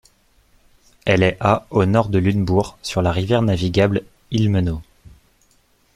Elle est à au nord de Lunebourg sur la rivière navigable Ilmenau.